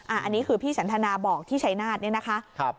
อันนี้คือพี่สันทนาบอกที่ชัยนาธเนี่ยนะคะ